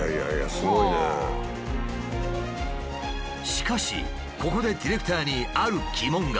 しかしここでディレクターにある疑問が。